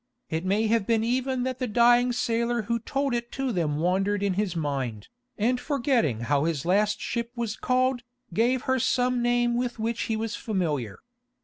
It may have been even that the dying sailor who told it to them wandered in his mind, and forgetting how his last ship was called, gave her some name with which he was familiar.